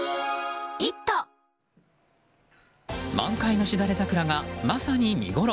満開のしだれ桜がまさに見ごろ！